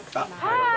はい。